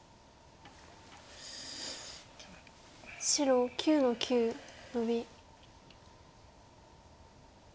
白９の九ノビ。